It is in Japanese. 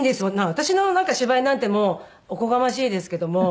私の芝居なんてもうおこがましいですけども。